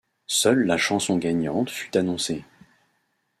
Seule la chanson gagnante fut annoncée.